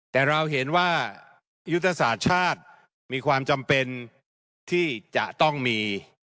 แต่เราเห็นว่ายุทธศาสตร์ชาติมีความจำเป็นที่จะต้องมี